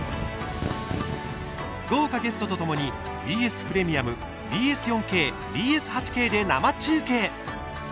豪華ゲストとともにＢＳプレミアムＢＳ４Ｋ、ＢＳ８Ｋで生中継。